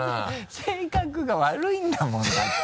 性格が悪いんだもんだって。